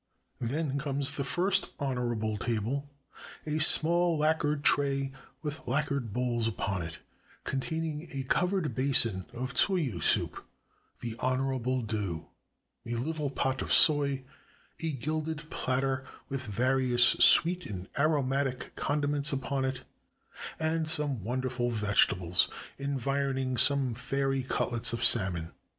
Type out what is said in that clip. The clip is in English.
Then comes the first "honorable" table, a small lacquered tray with lacquered bowls upon it, containing a covered basin of tsuyu soup — the "honorable dew" — a little pot of soy, a gilded platter with various sweet and aromatic condiments upon it, and some wonderful vegetables, environing some fairy cutlets of salmon.